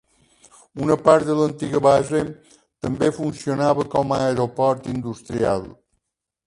Una part de l'antiga base també funcionada com a aeroport industrial.